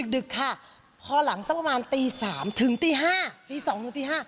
ดึกค่ะพอหลังประมาณตีนี้ถึงสัย๕ตีที่๒๕